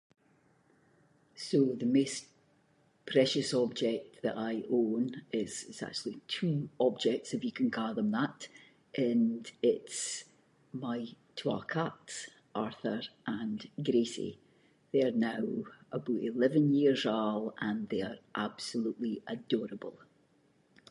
So the maist precious object that I own is- is actually two objects, if you can ca’ them that, and it’s my twa cats Arthur and Gracie. They’re now aboot eleven years old and they’re absolutely adorable.